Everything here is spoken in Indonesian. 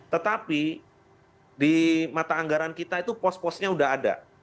tetapi di mata anggaran kita itu pos posnya sudah ada